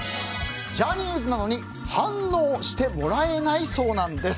ジャニーズなのに反応してもらえないそうなんです。